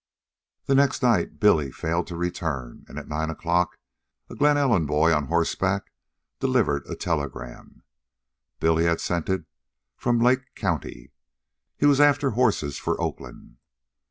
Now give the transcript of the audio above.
The next night Billy failed to return, and at nine o'clock a Glen Ellen boy on horseback delivered a telegram. Billy had sent it from Lake County. He was after horses for Oakland.